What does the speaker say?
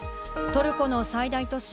トルコの最大都市